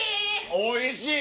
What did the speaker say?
おいしい！